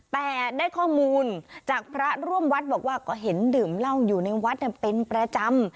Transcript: แต่ได้ข้อมูลจากพระร่วมวัดบอกว่าก็เห็นดื่มเหล้าอยู่ในวัดเป็นประจำ